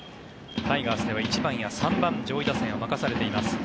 タイガースでは１番や３番上位打線を任されています。